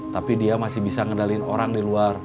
tapi dia masih bisa ngedalin orang di luar